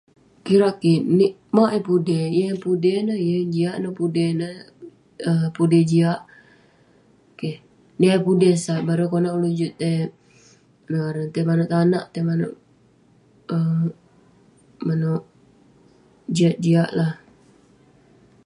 Kirak kik maok eh yeng pun udey yeng jiak eh pudey um pudey jiak keh. niah eh pudey sat bareng konak eh manouk um manouk jiak jiak lah.